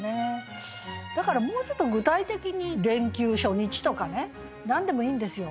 だからもうちょっと具体的に「連休初日」とかね何でもいいんですよ。